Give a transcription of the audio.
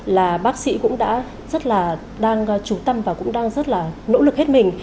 là bác sĩ cũng đã rất là đang trú tâm và cũng đang rất là nỗ lực hết mình